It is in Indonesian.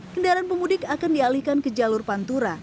kendaraan pemudik akan dialihkan ke jalur pantura